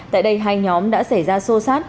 tại đây hai nhóm đã xảy ra xô xát